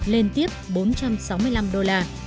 lên tiếp bốn trăm sáu mươi năm đô la